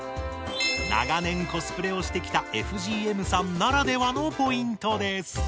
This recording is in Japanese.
長年コスプレをしてきたＦＧＭさんならではのポイントです